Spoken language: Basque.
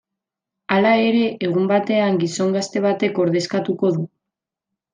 Hala ere, egun batean gizon gazte batek ordezkatuko du.